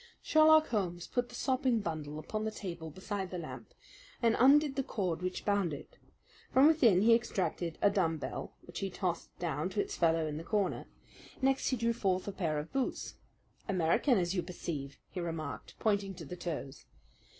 Sherlock Holmes put the sopping bundle upon the table beside the lamp and undid the cord which bound it. From within he extracted a dumb bell, which he tossed down to its fellow in the corner. Next he drew forth a pair of boots. "American, as you perceive," he remarked, pointing to the toes.